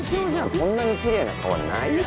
こんなにきれいな川ないよ。